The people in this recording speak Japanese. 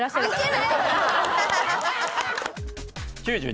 ９２。